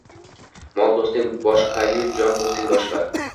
Mol do‘sting boshqayu, jon do‘sting boshqa.